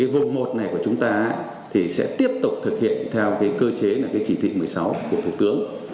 vùng một này của chúng ta sẽ tiếp tục thực hiện theo cơ chế chỉ thị một mươi sáu của thủ tướng